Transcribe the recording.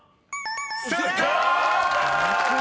［正解！］